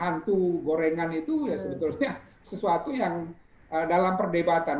hantu gorengan itu ya sebetulnya sesuatu yang dalam perdebatan